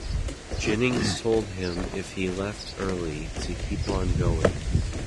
Jennings told him if he left early to keep on going.